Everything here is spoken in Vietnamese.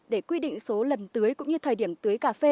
để quy định số lần tưới cũng như thời điểm tưới cà phê